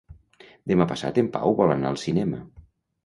Demà passat en Pau vol anar al cinema.